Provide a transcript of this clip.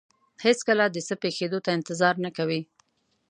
هېڅکله د څه پېښېدو ته انتظار نه کوي.